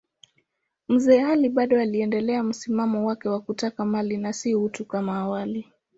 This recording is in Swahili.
Mzee Ali bado aliendelea msimamo wake wa kutaka mali na si utu kama awali.